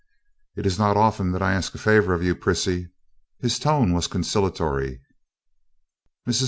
"It's not often that I ask a favor of you, Prissy." His tone was conciliatory. Mrs.